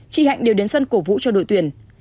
thân cổ vũ cho đội tuyển